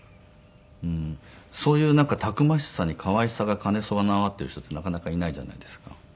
そういうたくましさに可愛さが兼ね備わっている人ってなかなかいないじゃないですか。